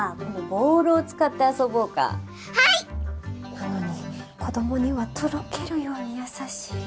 なのに子どもにはとろけるように優しい。